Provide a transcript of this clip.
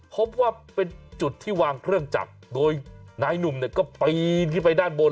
พบว่าเป็นจุดที่วางเครื่องจักรโดยนายหนุ่มเนี่ยก็ปีนขึ้นไปด้านบน